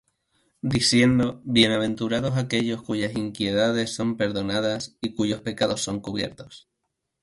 Diciendo: Bienaventurados aquellos cuyas iniquidades son perdonadas, Y cuyos pecados son cubiertos.